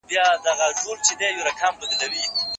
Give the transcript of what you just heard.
پوهه لرونکې میندې د ماشومانو د بدن بدلون ته ګوري.